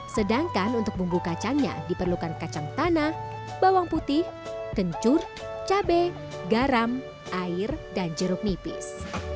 sedangkan untuk bumbu kacangnya diperlukan kacang tanah bawang putih kencur cabai garam air dan jeruk nipis